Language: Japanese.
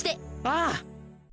ああ。